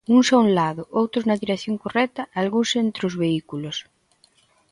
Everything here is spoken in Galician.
Uns a un lado, outros na dirección correcta, algúns entre os vehículos.